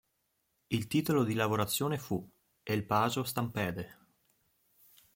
Il titolo di lavorazione fu "El Paso Stampede".